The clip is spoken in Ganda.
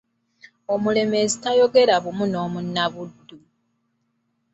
Omulemeezi tayogera bumu n'Omunnabuddu.